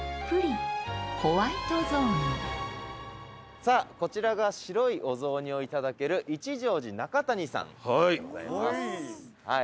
さあこちらが白いお雑煮をいただける一乗寺中谷さんでございます。